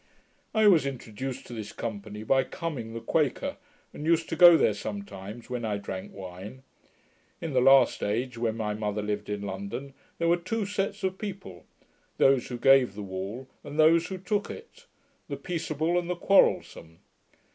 I was introduced to this company by Cumming the Quaker, and used to go there sometimes when I drank wine. In the last age, when my mother lived in London, there were two sets of people, those who gave the wall, and those who took it; the peaceable and the quarrelsome.